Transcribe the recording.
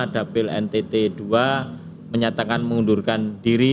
dapil ntt ii menyatakan mengundurkan diri